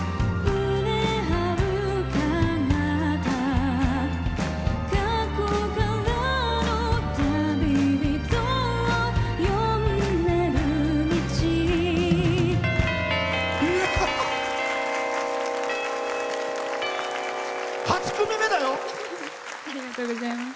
ありがとうございます。